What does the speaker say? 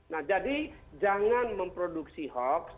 nah jadi jangan memproduksi hoax